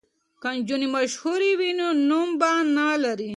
که نجونې مشهورې وي نو نوم به نه مري.